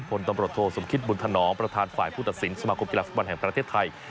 พลตำรวจโทสมคิตบุญธนองประธานฝ่ายผู้ตัดสินสมาคมกีฬาฟุตบอลแห่งประเทศไทย